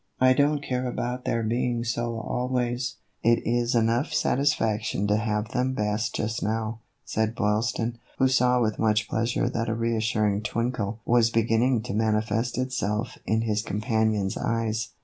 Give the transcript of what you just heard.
" I don't care about their being so always ; it is enough satisfaction to have them best just now," said Boylston, who saw with much pleasure that a reassuring twinkle was beginning to manifest itself in his companion's eyes.